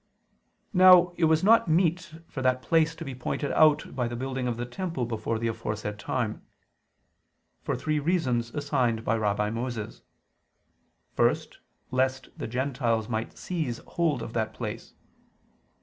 Now it was not meet for that place to be pointed out by the building of the temple before the aforesaid time; for three reasons assigned by Rabbi Moses. First, lest the Gentiles might seize hold of that place.